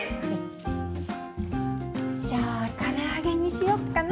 じゃあから揚げにしよっかな。